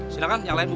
silahkan yang lain bu